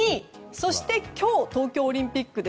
そして今日、東京オリンピックで